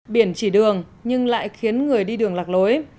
biển chỉ đường nhưng lại khiến người đi đường lạc lối